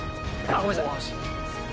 ごめんなさい。